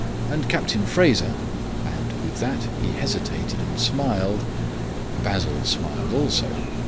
And Captain Fraser " and with that he hesitated and smiled. Basil smiled also.